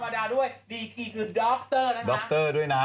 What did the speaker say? ดีกี่คือด็อกเตอร์นะฮะด็อกเตอร์ด้วยนะ